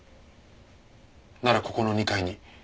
ならここの２階に。